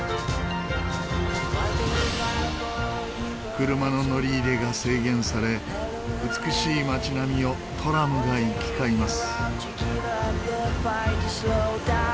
車の乗り入れが制限され美しい町並みをトラムが行き交います。